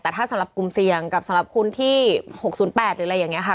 แต่ถ้าสำหรับกลุ่มเสี่ยงกับสำหรับคุณที่๖๐๘หรืออะไรอย่างนี้ค่ะ